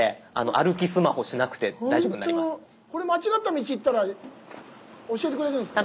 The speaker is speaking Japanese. これ間違った道行ったら教えてくれるんですか？